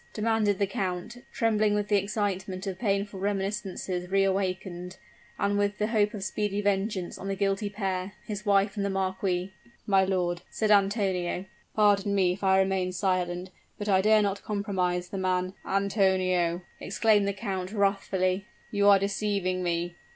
demanded the count, trembling with the excitement of painful reminiscences reawakened, and with the hope of speedy vengeance on the guilty pair, his wife and the marquis. "My lord," said Antonio, "pardon me if I remain silent; but I dare not compromise the man " "Antonio," exclaimed the count, wrathfully, "you are deceiving me!